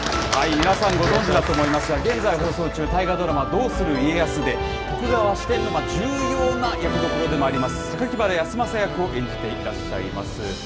皆さんご存じだと思いますが、現在放送中、大河ドラマどうする家康で、徳川四天王の重要な役どころでもあります、榊原康政役を演じていらっしゃいます。